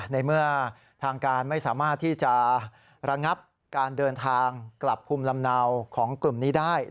ในเมื่อทางการไม่สามารถที่จะระงับการเดินทางกลับภูมิลำเนาของกลุ่มนี้ได้